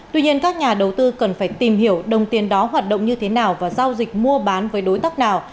tuy nhiên các nhà đầu tư cần phải tìm hiểu đồng tiền đó hoạt động như thế nào và giao dịch mua bán với đối tác nào